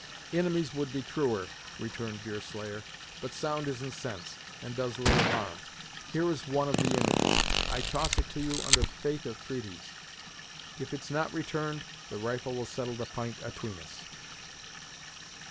"Inimies would be truer," returned Deerslayer, "but sound isn't sense, and does little harm. Here is one of the images; I toss it to you under faith of treaties. If it's not returned, the rifle will settle the p'int atween us."